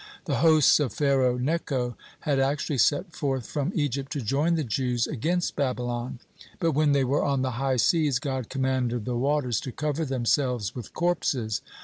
The hosts of Pharaoh Necho had actually set forth from Egypt to join the Jews against Babylon. But when they were on the high seas, God commanded the waters to cover themselves with corpses.